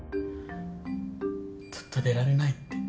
ずっと出られないって。